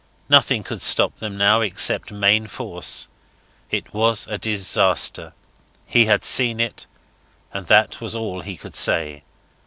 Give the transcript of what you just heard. Nothing could stop them now except main force. It was a disaster. He had seen it, and that was all he could say.